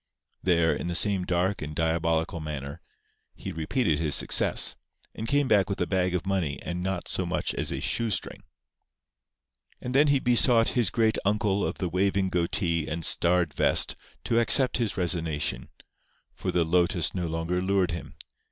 There, in the same dark and diabolical manner, he repeated his success; and came back with a bag of money and not so much as a shoestring. And then he besought his great Uncle of the waving goatee and starred vest to accept his resignation, for the lotus no longer lured him.